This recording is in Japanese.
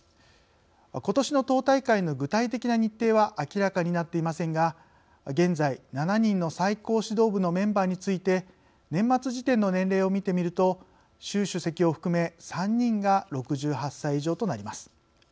ことしの党大会の具体的な日程は明らかになっていませんが現在７人の最高指導部のメンバーについて年末時点の年齢を見てみると習主席を含め３人が６８歳以上となります。